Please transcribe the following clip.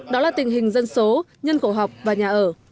đó là tình hình dân số nhân khẩu học và nhà ở